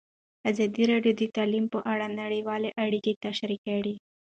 ازادي راډیو د تعلیم په اړه نړیوالې اړیکې تشریح کړي.